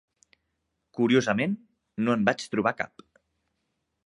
Curiosament, no en vaig trobar cap.